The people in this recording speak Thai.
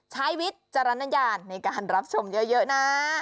ใช้วิทย์เจรนยาในการรับชมเยอะนา